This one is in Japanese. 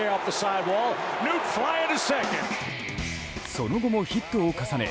その後もヒットを重ね